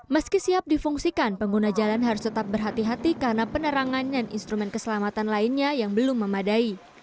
meski siap difungsikan pengguna jalan harus tetap berhati hati karena penerangan dan instrumen keselamatan lainnya yang belum memadai